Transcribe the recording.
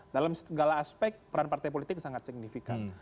dalam segala aspek peran partai politik sangat signifikan